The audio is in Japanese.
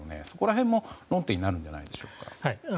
そこらへんも焦点になるんじゃないでしょうか。